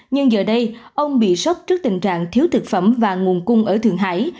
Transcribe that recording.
nhưng giờ đây ông bị sốc trước tình trạng thiếu thực phẩm và nguồn cung ở thượng hải